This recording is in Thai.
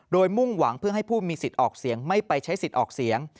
โดยมุ่งหวังเพื่อให้ผู้มีสิทธิ์ออกเสียงไม่ไปใช้สิทธิ์ออกเสียง